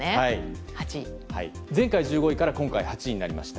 前回、１５位から今回、８位になりました。